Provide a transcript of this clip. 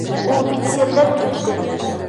Ул бит сирләп китте.